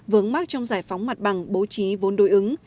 vướng mắt trong giải phóng mặt bằng bố trí vốn đối ứng